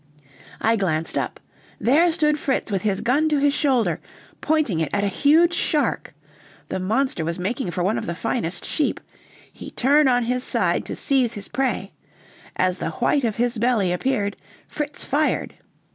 I glanced up; there stood Fritz with his gun to his shoulder, pointing it at a huge shark; the monster was making for one of the finest sheep; he turned on his side to seize his prey; as the white of his belly appeared Fritz fired.